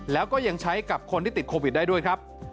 แล้วก็ยังใช้กับคนที่ติดโควิดได้ด้วยครับ